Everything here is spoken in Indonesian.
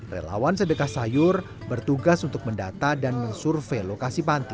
relawan sedekah sayur bertugas untuk mendata dan mensurvey lokasi panti